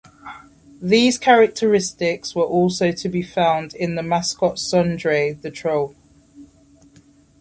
These characteristics were also to be found in the mascot Sondre, the troll.